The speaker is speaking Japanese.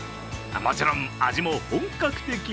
もちろん味も本格的。